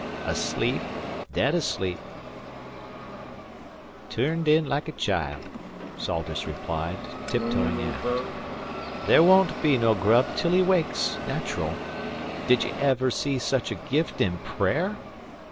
"Asleep dead asleep. Turned in like a child," Salters replied, tiptoeing aft. "There won't be no grub till he wakes, natural. Did ye ever see sech a gift in prayer?